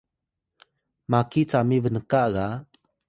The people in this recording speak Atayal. maki cami Bnka ga